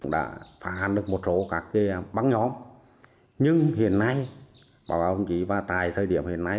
đã phá hạn được một số các băng nhóm nhưng hiện nay báo cáo ông chỉ vào thời điểm hiện nay